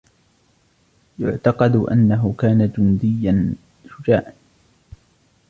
يُعتقد أنه كان جنديا شجاعا.